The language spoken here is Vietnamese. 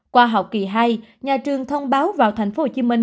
qua học kỳ hai nhà trường thông báo vào tp hcm